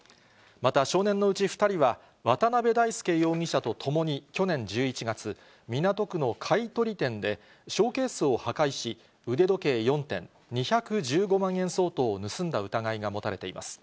また少年のうち２人は、渡辺大将容疑者とともに去年１１月、港区の買い取り店でショーケースを破壊し、腕時計４点、２１５万円相当を盗んだ疑いが持たれています。